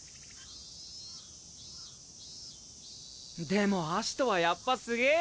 でもアシトはやっぱすげえよ！